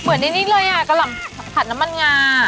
ในนี้เลยอ่ะกะหล่ำผัดน้ำมันงา